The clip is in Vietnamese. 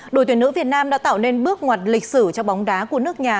đội tuyển nữ việt nam đã tạo nên bước ngoặt lịch sử cho bóng đá của nước nhà